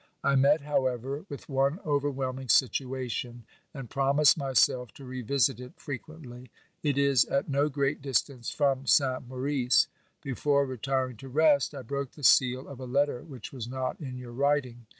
I met, however, with one overwhelming situation and promised myself to revisit it frequently. It is at no great distance from Saint Maurice. Before retiring to rest, I broke the seal of a letter which was not in your writing.